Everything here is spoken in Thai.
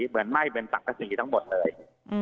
ไหม้เป็นสังกษีทั้งหมดเลย